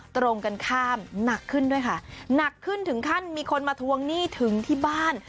ตรงกันข้ามหนักขึ้นด้วยค่ะหนักขึ้นถึงขั้นมีคนมาทวงหนี้ถึงที่บ้าน